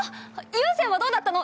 湯専はどうだったの？